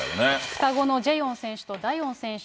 双子のジェヨン選手とダヨン選手。